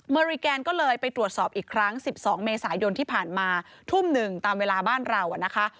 อริแกนก็เลยไปตรวจสอบอีกครั้ง๑๒เมษายนที่ผ่านมาทุ่มหนึ่งตามเวลาบ้านเรานะคะ